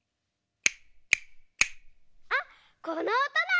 あっこのおとだ！